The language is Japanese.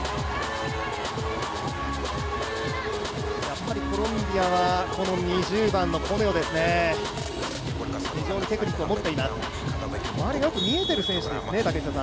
やっぱりコロンビアは、この２０番のコネオですね、非常にテクニックを持っています周りがよく見えている選手ですね。